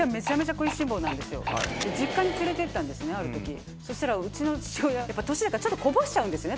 食いしん坊なんですよで実家に連れてったんですねある時そしたらウチの父親年だからこぼしちゃうんですね